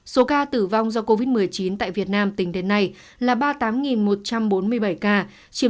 số ca tử vong do covid một mươi chín tại việt nam tính đến nay là ba mươi tám một trăm bốn mươi bảy ca chiếm